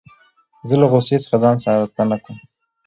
زه له غوسې څخه ځان ساتنه کوم.